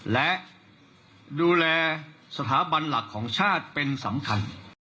และดูแลสถาบันหลักของชาติเป็นสำคัญ